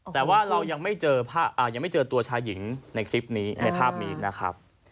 แต่ว่าเรายังไม่เจอยังไม่เจอตัวชายหญิงในคลิปนี้ในภาพนี้นะครับ